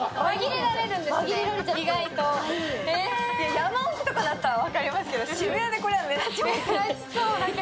山奥だったら分かりますけれども渋谷でこれだったら目立ちますよ。